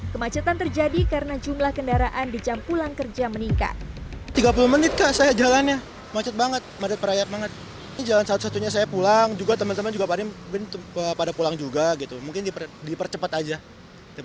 kemacetan terjadi karena jumlah kendaraan di jam pulang kerja meningkat